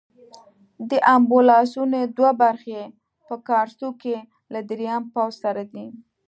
د امبولانسونو دوه برخې په کارسو کې له دریم پوځ سره دي.